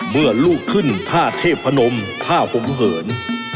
เมื่อลูกขึ้นท่าเทพนมท่าห่มเหิน